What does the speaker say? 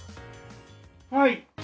はい！